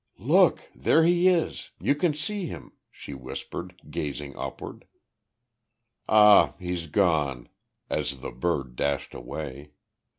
"Look. There he is. You can see him," she whispered, gazing upward. "Ah, he's gone," as the bird dashed away.